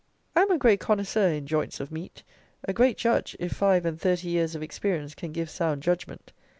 I am a great connoisseur in joints of meat; a great judge, if five and thirty years of experience can give sound judgment.